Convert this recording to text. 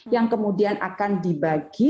yang kemudian akan dibagi